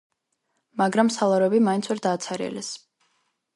მაგრამ სალაროები მაინც ვერ დააცარიელეს.